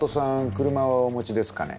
車はお持ちですかね？